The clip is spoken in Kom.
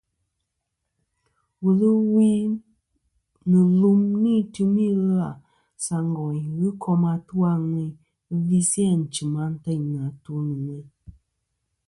Wul ɨ wi nɨ̀ lum nɨn tumî ɨlvâ sa ngòyn ghɨ kom atu a ŋweyn ɨ visi ànchɨ̀m antêynɨ̀ àtu nɨ̀ ŋweyn.